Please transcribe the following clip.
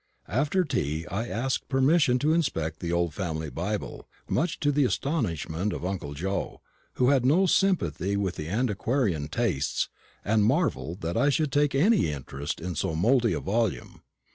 After tea I asked permission to inspect the old family Bible, much to the astonishment of uncle Joe, who had no sympathy with antiquarian tastes, and marvelled that I should take any interest in so mouldy a volume.